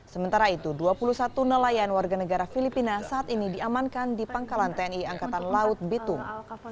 sementara itu dua puluh satu nelayan warga negara filipina saat ini diamankan di pangkalan tni angkatan laut bitung